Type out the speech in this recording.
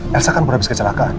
elsa kan baru habis kecelakaan